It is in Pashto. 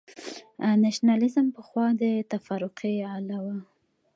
نېشنلېزم پخوا د تفرقې الې وه.